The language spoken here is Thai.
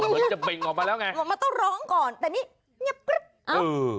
เหมือนจะเบ้งออกมาแล้วไงมาต้องร้องก่อนแต่นี้นี่ปุ๊บ